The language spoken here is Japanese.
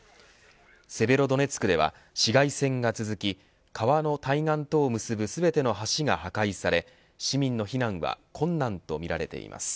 セベロドネツクでは市街戦が続き川の対岸とを結ぶ全ての橋が破壊され市民の避難は困難とみられています。